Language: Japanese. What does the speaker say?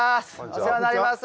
お世話になります。